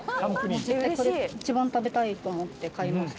絶対これ、一番食べたいと思って買いました。